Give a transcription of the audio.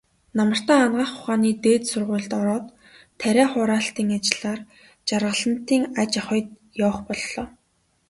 Намартаа Анагаах ухааны дээд сургуульд ороод, тариа хураалтын ажлаар Жаргалантын аж ахуйд явах боллоо.